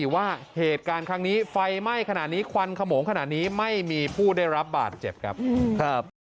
ว่าเหตุการณ์ครั้งนี้ไฟไหม้ขนาดนี้ควันขโมงขนาดนี้ไม่มีผู้ได้รับบาดเจ็บครับ